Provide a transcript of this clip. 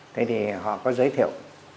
thế thì họ có giới thiệu